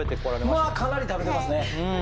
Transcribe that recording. まあかなり食べてますね